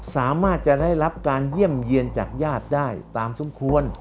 สามารถจะได้รับการเยี่ยมเยี่ยนจากญาติได้ตามสมควร